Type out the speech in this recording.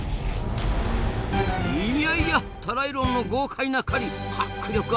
いやいやタライロンの豪快な狩り迫力ありますなあ。